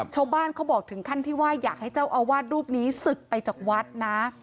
ชาวบ้านเขาบอกถึงขั้นที่ว่าอยากให้เจ้าอาวาสรูปนี้ศึกไปจากวัดนะ